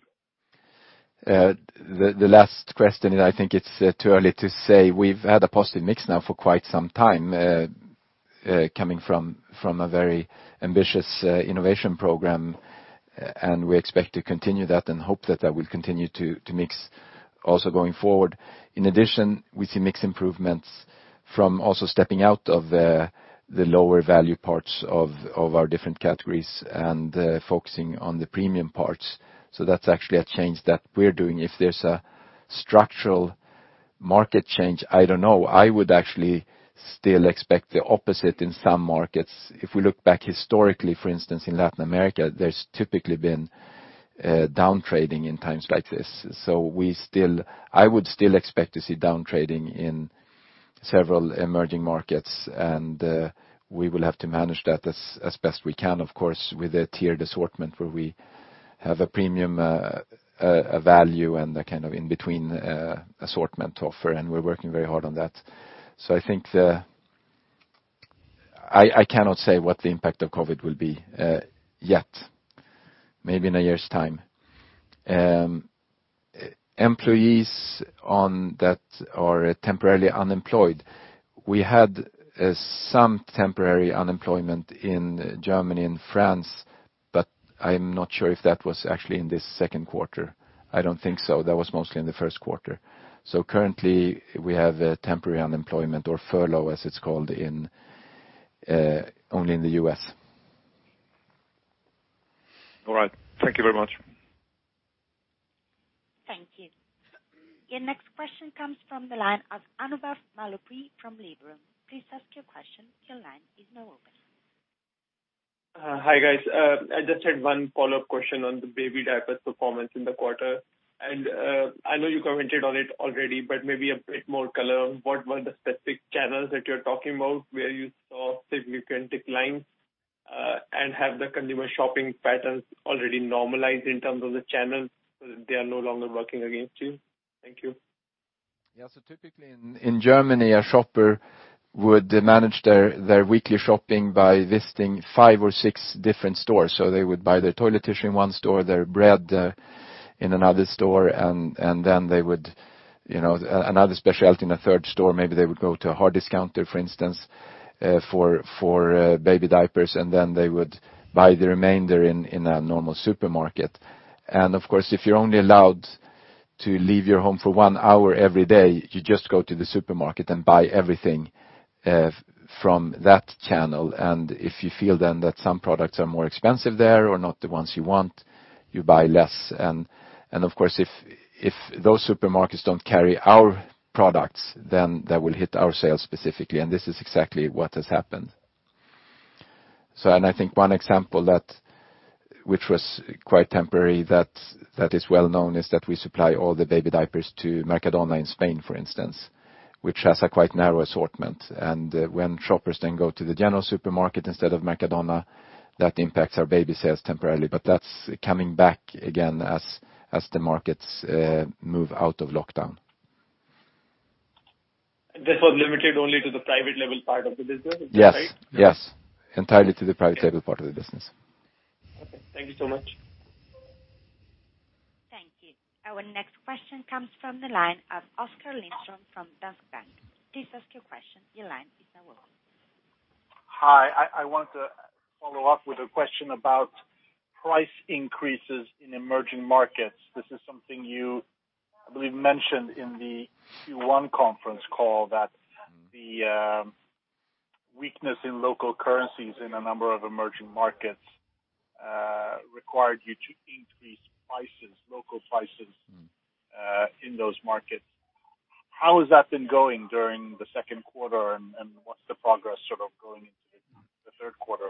The last question. I think it's too early to say. We've had a positive mix now for quite some time, coming from a very ambitious innovation program, and we expect to continue that and hope that that will continue to mix also going forward. In addition, we see mix improvements from also stepping out of the lower value parts of our different categories and focusing on the premium parts. That's actually a change that we're doing. If there's a structural market change, I don't know. I would actually still expect the opposite in some markets. If we look back historically, for instance, in Latin America, there's typically been down trading in times like this. I would still expect to see down trading in several emerging markets, and we will have to manage that as best we can, of course, with a tiered assortment where we have a premium, a value, and a kind of in-between assortment offer, and we're working very hard on that. I think I cannot say what the impact of COVID will be yet, maybe in a year's time. Employees that are temporarily unemployed. We had some temporary unemployment in Germany and France, but I'm not sure if that was actually in this second quarter. I don't think so. That was mostly in the first quarter. Currently, we have temporary unemployment or furlough, as it's called, only in the U.S. All right. Thank you very much. Thank you. Your next question comes from the line of Anubhav Malhotra from Liberum. Please ask your question. Your line is now open. Hi, guys. I just had one follow-up question on the baby diapers performance in the quarter. I know you commented on it already, but maybe a bit more color on what were the specific channels that you're talking about where you saw significant decline? Have the consumer shopping patterns already normalized in terms of the channels, they are no longer working against you? Thank you. Typically in Germany, a shopper would manage their weekly shopping by visiting five or six different stores. They would buy their toilet tissue in one store, their bread in another store, and then another specialty in a third store. Maybe they would go to a hard discounter, for instance, for baby diapers, and then they would buy the remainder in a normal supermarket. Of course, if you're only allowed to leave your home for one hour every day, you just go to the supermarket and buy everything from that channel. If you feel then that some products are more expensive there or not the ones you want, you buy less. Of course, if those supermarkets don't carry our products, then that will hit our sales specifically, and this is exactly what has happened. I think one example which was quite temporary that is well-known is that we supply all the baby diapers to Mercadona in Spain, for instance, which has a quite narrow assortment. When shoppers then go to the general supermarket instead of Mercadona, that impacts our baby sales temporarily. That's coming back again as the markets move out of lockdown. This was limited only to the private label part of the business, is that right? Yes. Entirely to the private label part of the business. Okay. Thank you so much. Thank you. Our next question comes from the line of Oskar Lindström from Danske Bank. Please ask your question. Your line is now open. Hi. I want to follow up with a question about price increases in emerging markets. This is something you, I believe, mentioned in the Q1 conference call, that the weakness in local currencies in a number of emerging markets required you to increase local prices in those markets. How has that been going during the second quarter, and what's the progress going into the third quarter?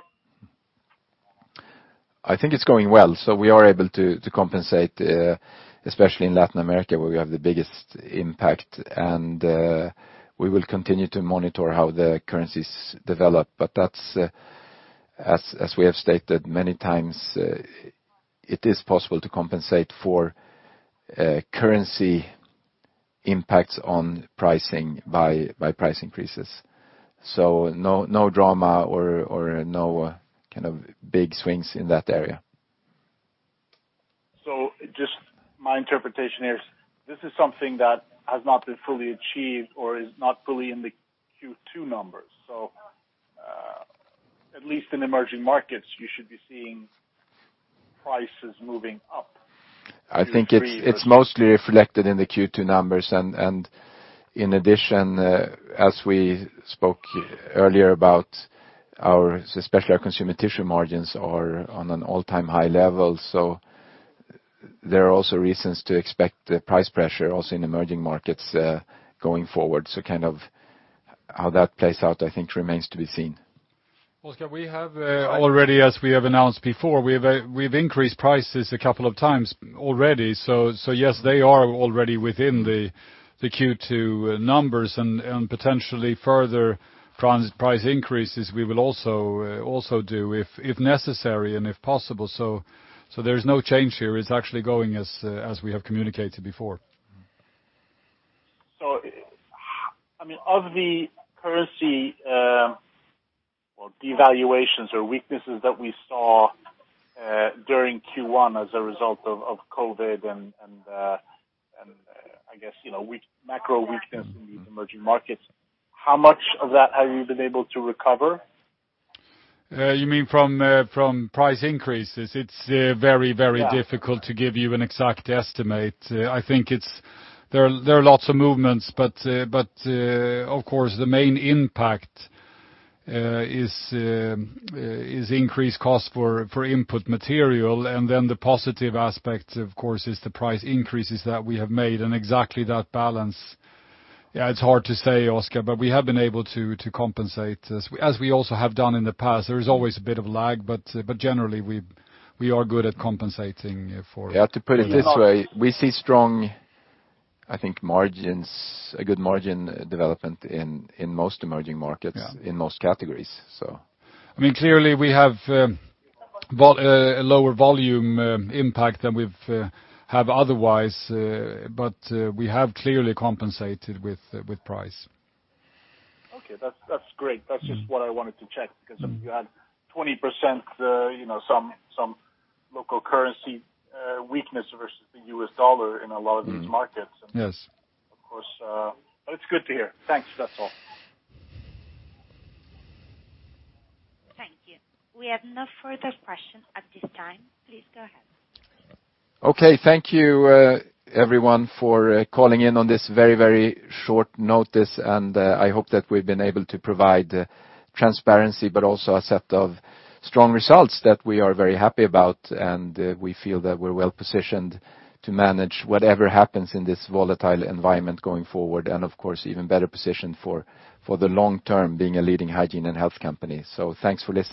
I think it's going well. We are able to compensate, especially in Latin America where we have the biggest impact. We will continue to monitor how the currencies develop. As we have stated many times, it is possible to compensate for currency impacts on pricing by price increases. No drama or no big swings in that area. Just my interpretation here is this is something that has not been fully achieved or is not fully in the Q2 numbers. At least in emerging markets, you should be seeing prices moving up? I think it's mostly reflected in the Q2 numbers. In addition, as we spoke earlier about especially our consumer tissue margins are on an all-time high level. There are also reasons to expect price pressure also in emerging markets going forward. How that plays out, I think, remains to be seen. Oskar, already as we have announced before, we've increased prices a couple of times already. Yes, they are already within the Q2 numbers and potentially further price increases we will also do if necessary and if possible. There is no change here. It's actually going as we have communicated before. Of the currency devaluations or weaknesses that we saw during Q1 as a result of COVID and I guess macro weakness in these emerging markets, how much of that have you been able to recover? You mean from price increases? It's very difficult to give you an exact estimate. I think there are lots of movements. Of course the main impact is increased cost for input material. Then the positive aspect, of course, is the price increases that we have made. Exactly that balance. It's hard to say, Oskar. We have been able to compensate, as we also have done in the past. There is always a bit of lag. Generally we are good at compensating for. Yeah, to put it this way, we see strong, I think, margins, a good margin development in most emerging markets. Yeah in most categories. Clearly we have a lower volume impact than we've have otherwise, but we have clearly compensated with price. Okay. That's great. That's just what I wanted to check because you had 20% some local currency weakness versus the US dollar in a lot of these markets. Yes. Of course. It's good to hear. Thanks. That's all. Thank you. We have no further questions at this time. Please go ahead. Okay. Thank you everyone for calling in on this very short notice, and I hope that we've been able to provide transparency but also a set of strong results that we are very happy about. We feel that we're well-positioned to manage whatever happens in this volatile environment going forward, and of course even better positioned for the long term, being a leading hygiene and health company. Thanks for listening.